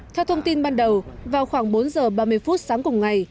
theo thông tin ban đầu vào khoảng bốn giờ ba mươi phút sáng cùng ngày